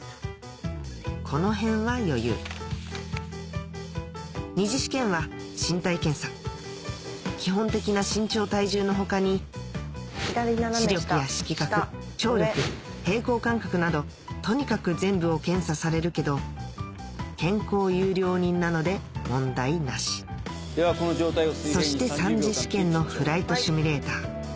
このへんは余裕２次試験は身体検査基本的な身長体重の他に視力や色覚聴力平衡感覚などとにかく全部を検査されるけど健康優良人なので問題なしそして３次試験のフライトシミュレーター